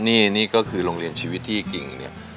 นี่ก็คือโรงเรียนชีวิตที่กิ่งเนี่ย